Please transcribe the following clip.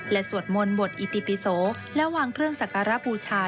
และสวดมนต์บทอิติปิโสและวางเครื่องสักการะบูชา